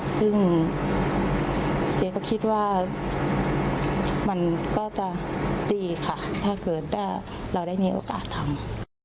ซึ่งเจ๊ก็คิดว่ามันก็จะดีค่ะถ้าเกิดถ้าเราได้มีโอกาสทำ